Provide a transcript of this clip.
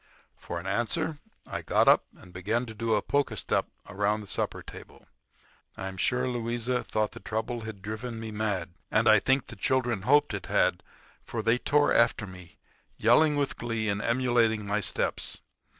For an answer I got up and began to do a polka step around the supper table. I am sure Louisa thought the trouble had driven me mad; and I think the children hoped it had, for they tore after me, yelling with glee and emulating my steps.